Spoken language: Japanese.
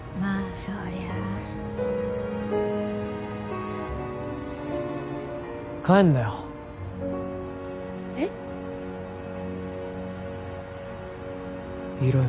そりゃあ帰んなよえっ？いろよ